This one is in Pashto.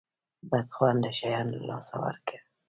بد خونده شیان له لاسه ورکه.